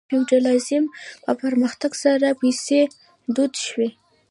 د فیوډالیزم په پرمختګ سره پیسې دود شوې.